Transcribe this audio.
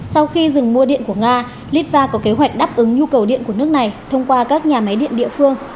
sau khi dừng mua điện của nga litva có kế hoạch đáp ứng nhu cầu điện của nước này thông qua các nhà máy điện địa phương